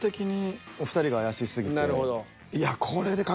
なるほど。